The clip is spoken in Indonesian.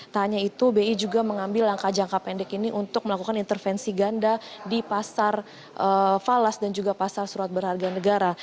tak hanya itu bi juga mengambil langkah jangka pendek ini untuk melakukan intervensi ganda di pasar falas dan juga pasar surat berharga negara